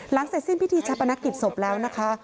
หลังในสิ้นพิธีชัพนักกิจศพแล้วนะคะ